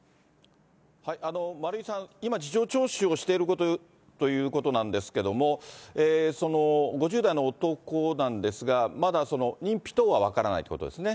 丸井さん、今、事情聴取をしているということなんですけれども、その５０代の男なんですが、まだ認否等は分からないということですね？